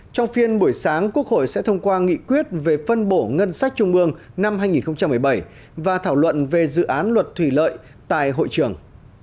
trong phiên buổi sáng quốc hội sẽ thông qua nghị quyết về phân bổ ngân sách trung ương năm hai nghìn một mươi bảy và thảo luận về dự án luật thủy lợi tại hội trường